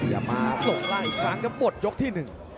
จะมาถลงร่างอีกครั้งก็หมดยกที่๑